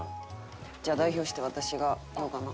じゃあ代表して私が言おうかな。